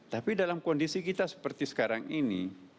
tapi dalam kondisi kita seperti sekarang ini